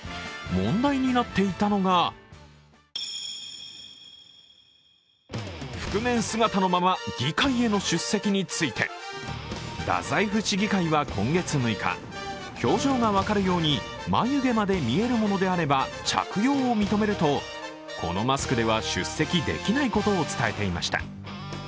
問題になっていたのが覆面姿のまま議会への出席について太宰府市議会は今月６日、表情が分かるように眉毛まで見えるものであれば着用を認めるとこのマスクでは出席できないことを伝えていました。